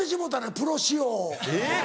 プロ仕様を？